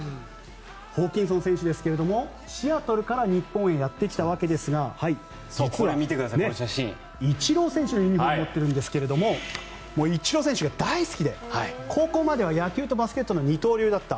ホーキンソン選手ですがシアトルから日本へやってきたわけですが実はイチロー選手のユニホームを持っているんですがイチロー選手が大好きで高校までは野球とバスケットの二刀流だった。